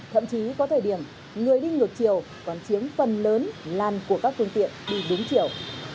thậm chí có thời điểm người đi ngược chiều còn chiếm phần lớn lan của các phương tiện đi đúng chiều